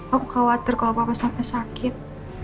aku khawatir kalau papa sampai sakit